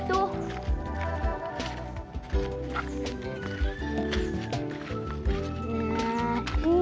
itu tuh tuh tuh